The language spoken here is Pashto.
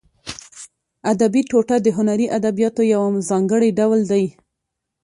ادبي ټوټه د هنري ادبیاتو یو ځانګړی ډول دی.